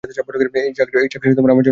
এই চাকরি আমার জন্য নয়।